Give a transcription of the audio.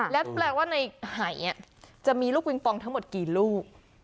แล้วแปลว่าในหายจะมีลูกปิงปองทั้งหมดกี่ลูก